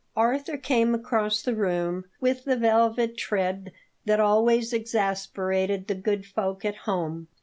Arthur came across the room with the velvet tread that always exasperated the good folk at home.